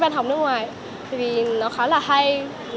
văn hóng nước ngoài vì nó khá là hay